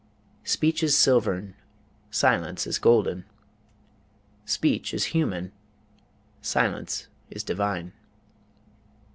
Speech is silvern, Silence is golden; Speech is human, Silence is divine."